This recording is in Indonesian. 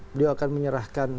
beliau akan menyerahkan